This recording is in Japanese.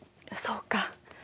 そうか。